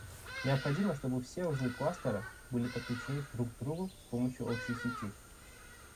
Необходимо чтобы все узлы кластера были подключены друг к другу с помощью общей сети